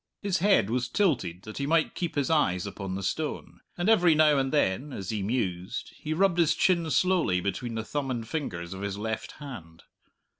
His head was tilted that he might keep his eyes upon the stone; and every now and then, as he mused, he rubbed his chin slowly between the thumb and fingers of his left hand.